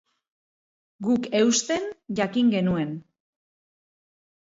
Guk eusten jakin genuen.